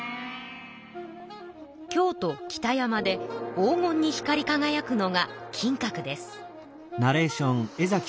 京都・北山で黄金に光りかがやくのが金閣です。